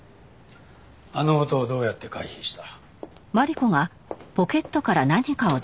あの音をどうやって回避した？